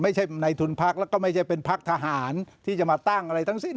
ในทุนพักแล้วก็ไม่ใช่เป็นพักทหารที่จะมาตั้งอะไรทั้งสิ้น